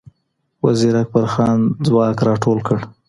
وزیر اکبرخان ځواک را ټول کړ